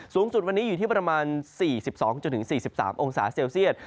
สูงสุดวันนี้อยู่ที่ประมาณ๔๒๔๓องศาเซลเซียต